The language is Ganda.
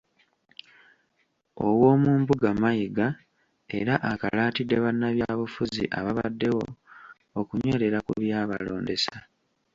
Owoomumbuga Mayiga era akalaatidde bannabyabufuzi ababaddewo okunywerera ku byabalondesa.